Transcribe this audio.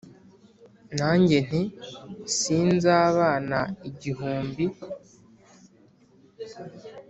nanjye nti " sinsabana igihumbi,